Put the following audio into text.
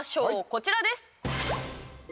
こちらです。